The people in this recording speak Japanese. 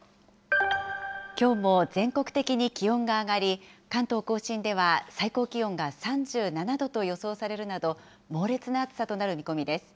きょうも全国的に気温が上がり、関東甲信では最高気温が３７度と予想されるなど、猛烈な暑さとなる見込みです。